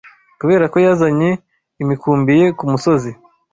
Kuberako yazanye imikumbi ye kumusozi